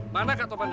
mana kak topannya